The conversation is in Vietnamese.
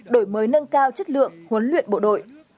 đổi mới nâng cao chất lượng huấn luyện bộ đội